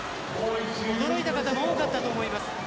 驚いた方も多かったと思います。